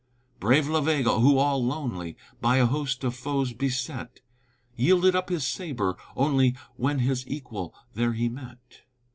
Brave La Vega who all lonely, By a host of foes beset, Yielded up his sabre only When his equal there he met.